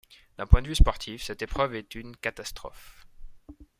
D'un point de vue sportif, cette épreuve est une catastrophe.